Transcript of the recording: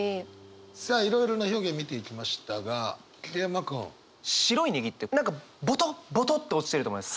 さあいろいろな表現見ていきましたが桐山君。「白い葱」って何かボトボトって落ちてると思います。